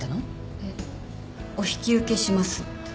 えっお引き受けしますって。